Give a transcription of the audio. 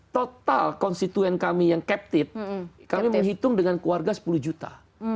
total konstituen kami yang capted kami menghitung dengan keluarga sepuluh juta